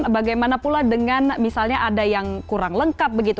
bagaimana pula dengan misalnya ada yang kurang lengkap begitu